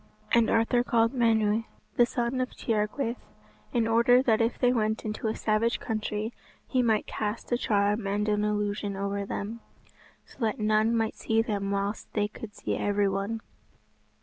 And Arthur called Menw, the son of Tiergwaeth, in order that if they went into a savage country, he might cast a charm and an illusion over them, so that none might see them whilst they could see every one.